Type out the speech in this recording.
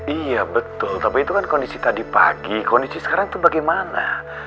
iya betul tapi itu kan kondisi tadi pagi kondisi sekarang itu bagaimana